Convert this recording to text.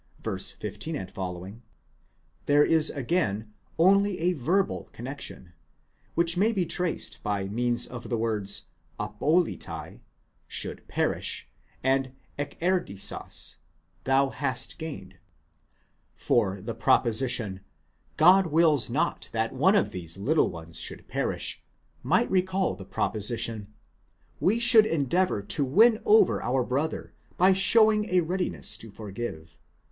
15 ff), there is again only a verbal connexion, which may be traced by means of the words, ἀπόληται, should perish, and ἐκέρδησας, thou hast gained; for the proposition: God wills not that one of these little ones should perish, might recall the proposition: We should endeavour to win over our brother, by showing a readiness to forgive.